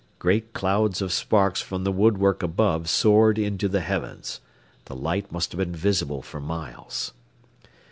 Great clouds of sparks from the woodwork above soared into the heavens. The light must have been visible for miles.